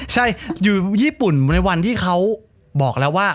ใช่อยู่ญี่ปุ่นในวันที่เขาบอกแล้วว่า